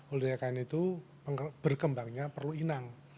oleh karena itu berkembangnya perlu inang